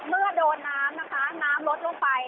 เมื่อโดนน้ำนะคะน้ำลดลงไป